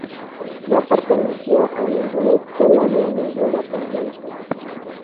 No perteneció a ninguna escuela ni a ninguna tendencia.